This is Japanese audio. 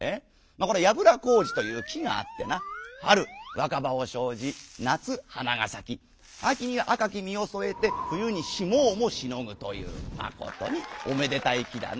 これはやぶらこうじという木があってな春わかばを生じ夏花がさき秋には赤き実をそえて冬にしもをもしのぐというまことにおめでたい木だな」。